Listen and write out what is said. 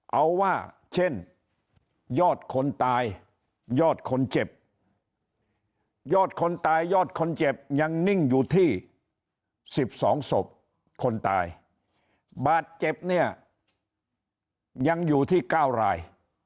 เอาว่าเช่นยอดคนตายยอดคนเจ็บยอดคนตายยอดคนเจ็บยังนิ่งอยู่ที่๑๒ศพคนตายบาดเจ็บเนี่ยยังอยู่ที่๙ราย